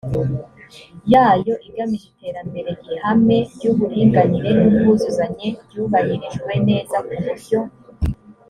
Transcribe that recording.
yayo igamije iterambere ihame ry uburinganire n ubwuzuzanye ryubahirijwe neza ku buryo